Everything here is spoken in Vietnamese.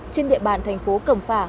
trên địa bàn thành phố cầm phả